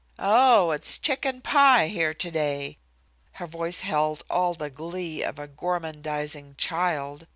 Oh! it's chicken pie here today." Her voice held all the glee of a gormandizing child.